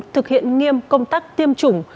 thực hiện nghiêm công tác tiêm chủng